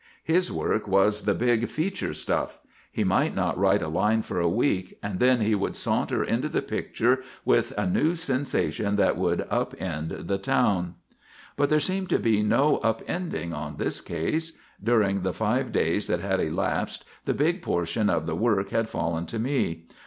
His work was the big "feature" stuff. He might not write a line for a week and then he would saunter into the picture with a news sensation that would upend the town. But there seemed to be no "upending" on this case. During the five days that had elapsed the big portion of the work had fallen to me.